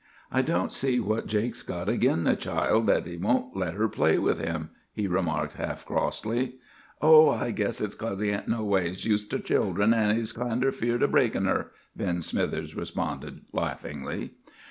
"'I don't see what Jake's got agin the child that he won't let her play with him,' he remarked half crossly. "'Oh, I guess it's 'cause he ain't no ways used ter children, an' he's kinder afeared o' breakin' her,' Ben Smithers responded laughingly.